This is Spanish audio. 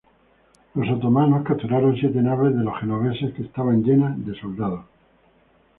Los otomanos capturaron siete naves de los genoveses que estaban llenas de soldados.